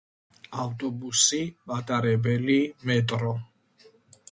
ავტობუსი, მატარებელი, მეტრო